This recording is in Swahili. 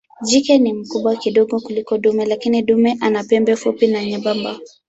Jike ni mkubwa kidogo kuliko dume lakini dume ana pembe fupi na nyembamba.